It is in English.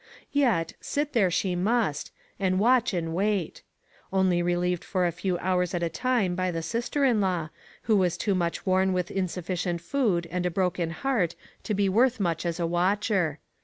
Yet, sit there she must, and watch and wait. Only relieved for a few hours at a time by the sister in law, who was too much worn with insufficient food and a broken heart to be worth much as a watcher.